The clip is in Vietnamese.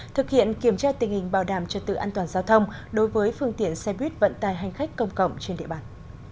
thực hiện kiểm tra tình hình bảo đảm trật tự an toàn giao thông đối với phương tiện xe buýt vận tài hành khách công cộng trên địa bàn